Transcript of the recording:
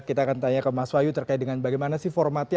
kita akan tanya ke mas wahyu terkait dengan bagaimana sih formatnya